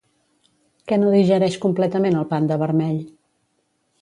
Què no digereix completament el panda vermell?